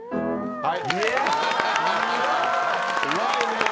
はい。